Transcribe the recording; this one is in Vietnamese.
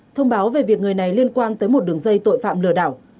thông báo về việc người này liên quan tới một đường dây tội phạm lừa đảo